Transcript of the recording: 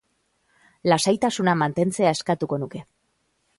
Lasaitasuna mantentzea eskatuko nuke.